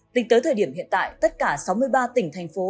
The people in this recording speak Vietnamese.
tính tới thời điểm hiện tại tất cả sáu mươi ba tỉnh thành phố